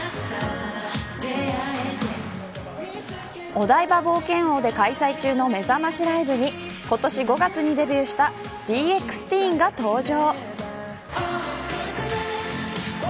お台場冒険王で開催中のめざましライブに今年５月にデビューしたＤＸＴＥＥＮが登場。